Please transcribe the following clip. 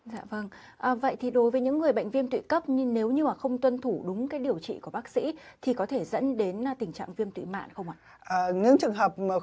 dạ vâng vậy thì đối với những người bệnh viêm thụy cấp nhưng nếu như mà không tuân thủ đúng cái điều trị của bác sĩ thì có thể dẫn đến tình trạng viêm tụy mạn không ạ